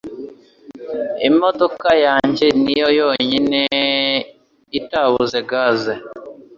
Imodoka yanjye niyo yonyine itabuze gaze